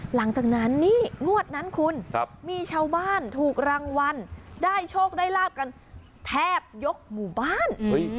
หลังจากนั้นนี่งวดนั้นคุณมีชาวบ้านถูกรางวัลได้โชคได้ลาบกันแทบยกหมู่บ้าน